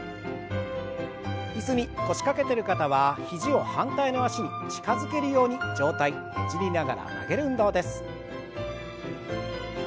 椅子に腰掛けてる方は肘を反対の脚に近づけるように上体ねじりながら曲げる運動です。